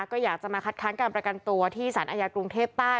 ก็อยากจะมาคัดค้างการประกันตัวที่สารอาญากรุงเทพใต้